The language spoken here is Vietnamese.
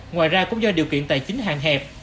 ngoài ra cũng do điều kiện tài chính hạn hẹp